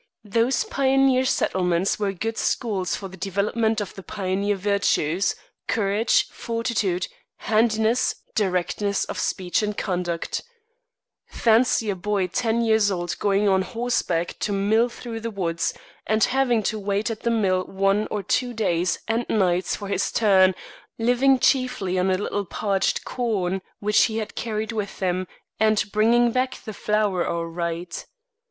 Those pioneer settlements were good schools for the development of the pioneer virtues, courage, fortitude, handiness, directness of speech and conduct. Fancy a boy ten years old going on horseback to mill through the woods, and having to wait at the mill one or two days and nights for his turn, living chiefly on a little parched corn which he carried with him, and bringing back the flour all right.